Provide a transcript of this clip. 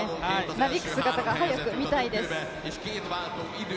なびく姿が早く見たいです。